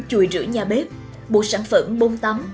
chùi rửa nhà bếp bộ sản phẩm bông tắm